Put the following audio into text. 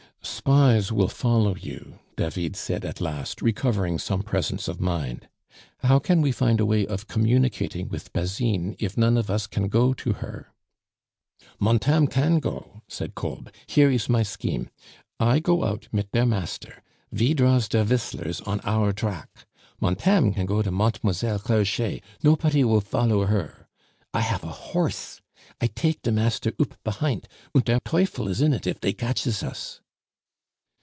"Spies will follow you," David said at last, recovering some presence of mind. "How can we find a way of communicating with Basine if none of us can go to her?" "Montame kan go," said Kolb. "Here ees my scheme I go out mit der master, ve draws der vischtlers on our drack. Montame kan go to Montemoiselle Clerchet; nopody vill vollow her. I haf a horse; I take de master oop behint; und der teufel is in it if they katches us."